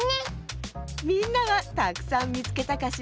みんなはたくさんみつけたかしら？